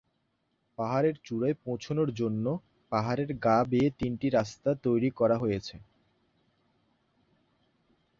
পাহাড়েরচূড়ায় পৌঁছানোর জন্য পাহাড়ের গা বেয়ে তিনটি রাস্তা তৈরি করা হয়েছে।